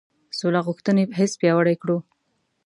سوله غوښتنې حس پیاوړی کړو.